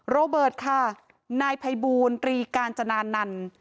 โรเบิร์ตค่ะนายภัยบูรตรีกาญจนานันต์